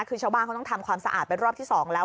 คือชาวบ้านเขาต้องทำความสะอาดเป็นรอบที่๒แล้ว